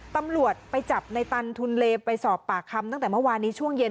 ตำรวจไปจับในตันทุนเลไปสอบปากคำตั้งแต่เมื่อวานนี้ช่วงเย็น